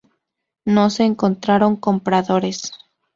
No se encontraron compradores.